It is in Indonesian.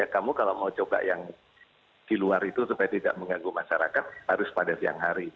kamu kalau mau coba yang di luar itu supaya tidak mengganggu masyarakat harus pada siang hari